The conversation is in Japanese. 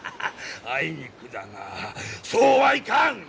あいにくだがそうはいかぬ！